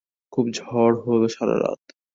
খুব ঝড় হল সারা রাত!